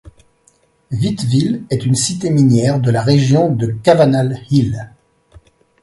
Witteville était une cité minière de la région de Cavanal Hill.